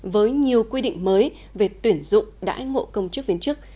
với nhiều quy định mới về tuyển dụng đãi ngộ công chức viên chức